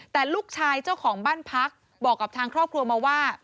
แต่ลูกชายเจ้าของบ้านพักบอกกับทางครอบครัวมาว่า